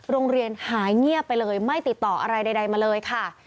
โรงเรียนหายเงียบไปเลยไม่ติดต่ออะไรใดมาเลยค่ะ